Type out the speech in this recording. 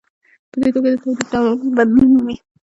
په دې توګه د تولید ډول بدلون مومي.